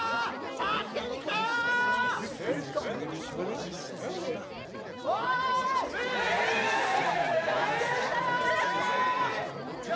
助けに来たよ！